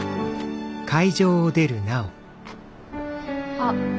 あっ。